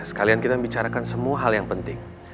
sekalian kita membicarakan semua hal yang penting